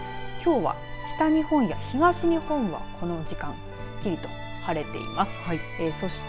きょうは北日本や東日本はこの時間すっきりと晴れています。